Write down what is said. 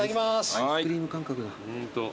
アイスクリーム感覚だ。